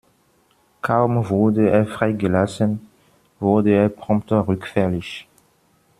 Kaum wurde er freigelassen, wurde er prompt rückfällig.